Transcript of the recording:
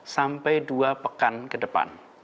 sampai dua pekan ke depan